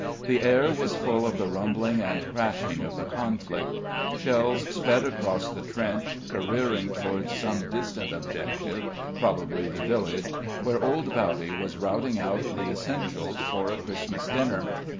The air was full of the rumbling and crashing of the conflict; shells sped across the trench, careering towards some distant objective, probably the village, where old Bowdy was routing out the essentials for a Christmas dinner.